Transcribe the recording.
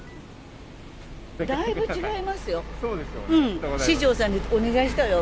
だいぶ違いますよ。